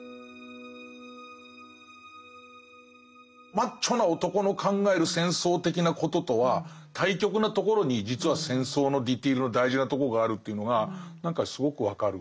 マッチョな男の考える戦争的なこととは対極なところに実は戦争のディテールの大事なところがあるというのが何かすごく分かる。